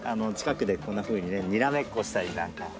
近くでこんなふうにねにらめっこしたりなんか。